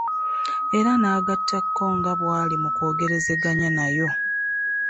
Era n'agattako nga bw'ali mu kwogerezeganya nayo